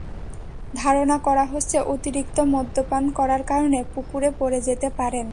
ধারণা করা হচ্ছে, অতিরিক্ত মদ্যপান করার কারণে পুকুরে পড়ে যেতে পারেন।